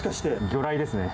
魚雷ですね。